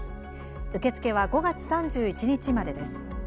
受付は、５月３１日までです。